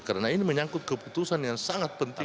karena ini menyangkut keputusan yang sangat penting